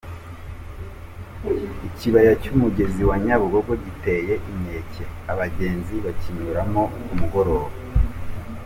Ikibaya cy’umugezi wa Nyabugogo giteye inkeke abagenzi bakinyuramo ku mugoroba